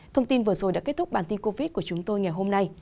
thông tin vừa rồi đã kết thúc bản tin covid của chúng tôi ngày hôm nay